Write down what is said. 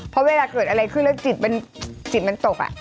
เพราะเวลาเกิดอะไรขึ้นแล้วจิตมันตก